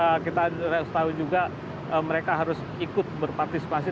karena kita harus tahu juga mereka harus ikut berpartisipasi